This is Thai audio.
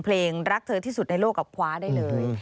รักเธอที่สุดในโลกกับคว้าได้เลย